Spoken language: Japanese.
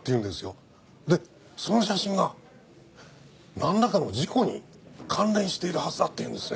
でその写真がなんらかの事故に関連しているはずだって言うんですね。